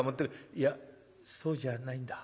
「いやそうじゃないんだ。